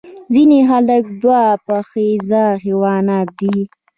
ځینې خلک دوه پښیزه حیوانات دي